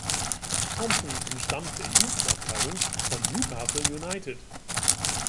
Thompson entstammt der Jugendabteilung von Newcastle United.